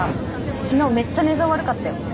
昨日めっちゃ寝相悪かったよな？